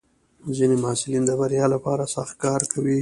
ځینې محصلین د بریا لپاره سخت کار کوي.